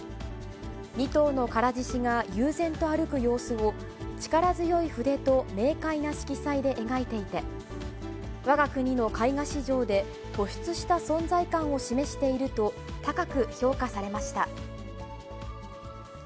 ２頭の唐獅子が悠然と歩く様子を、力強い筆と明快な色彩で描いていて、わが国の絵画史上で突出した存在感を示していると高く評価されました。